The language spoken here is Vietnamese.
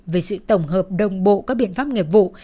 về sự tổng hợp đồng bộ các biện pháp nghiệp vụ